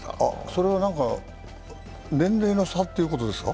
それは年齢の差ということですか？